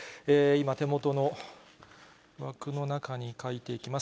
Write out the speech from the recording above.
今、手元の枠の中に書いていきます。